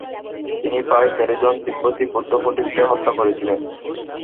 তিনি প্রায় তেরোজন তিব্বতী বৌদ্ধ পন্ডিতকে হত্যা করেছিলেন।